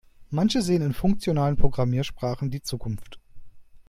Manche sehen in funktionalen Programmiersprachen die Zukunft.